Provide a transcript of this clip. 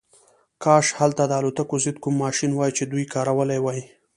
کاش هلته د الوتکو ضد کوم ماشین وای چې دی کارولی وای